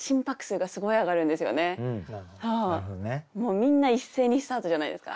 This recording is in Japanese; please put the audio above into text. みんな一斉にスタートじゃないですか。